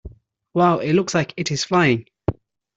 Wow! It looks like it is flying!